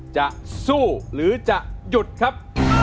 จะสู้หรือจะหยุดครับ